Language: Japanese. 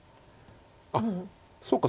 あっそうか